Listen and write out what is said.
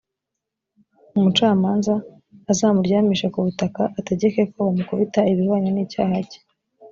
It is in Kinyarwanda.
umucamanza azamuryamishe ku butaka, ategeke ko bamukubita ibihwanye n’icyaha cye.